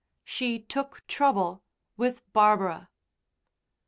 She took trouble with Barbara.